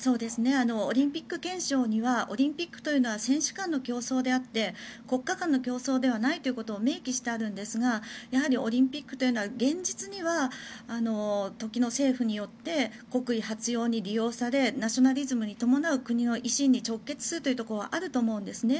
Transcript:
オリンピック憲章にはオリンピックというのは選手間の競争であって国家間の競争ではないということを明記してあるんですがやはりオリンピックというのは現実には時の政府によって国威発揚に利用されナショナリズムに伴う国の威信に直結するというところがあると思うんですね。